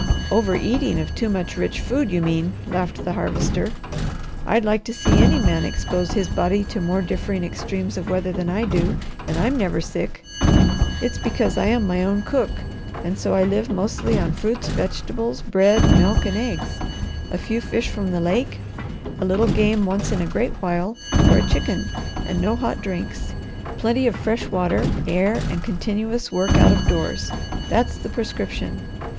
"Over eating of too much rich food, you mean," laughed the Harvester. "I'd like to see any man expose his body to more differing extremes of weather than I do, and I'm never sick. It's because I am my own cook and so I live mostly on fruits, vegetables, bread, milk, and eggs, a few fish from the lake, a little game once in a great while or a chicken, and no hot drinks; plenty of fresh water, air, and continuous work out of doors. That's the prescription!